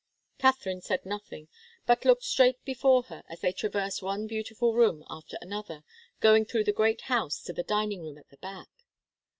Katharine said nothing, but looked straight before her as they traversed one beautiful room after another, going through the great house to the dining room at the back.